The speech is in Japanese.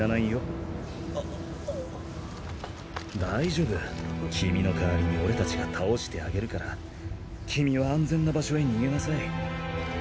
大丈夫君の代わりに俺たちが倒してあげるから君は安全な場所へ逃げなさい。